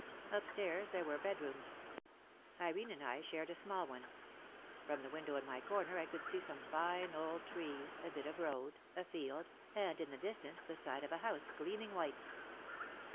Upstairs there were bedrooms. Irene and I shared a small one. From the window in my corner I could see some fine old trees, a bit of road, a field, and in the distance the side of a house gleaming white.